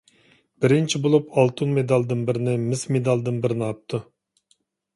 بىرىنچى بولۇپ، ئالتۇن مېدالدىن بىرنى، مىس مېدالدىن بىرنى ئاپتۇ.